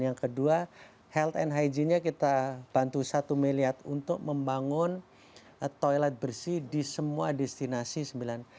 yang kedua health and hygiene nya kita bantu satu miliar untuk membangun toilet bersih di semua destinasi sembilan